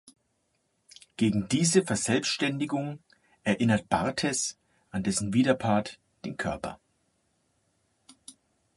Gegen diese Verselbständigung erinnert Barthes an dessen Widerpart, den Körper.